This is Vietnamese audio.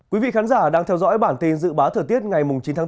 quý vị khán giả đang theo dõi bản tin dự báo thời tiết ngày chín tháng bốn